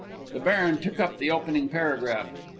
The baron took up the opening paragraph.